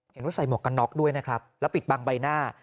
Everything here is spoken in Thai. ใส่หมวกกันน็อกด้วยนะครับแล้วปิดบังใบหน้า